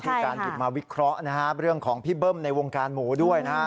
มีการหยิบมาวิเคราะห์นะฮะเรื่องของพี่เบิ้มในวงการหมูด้วยนะฮะ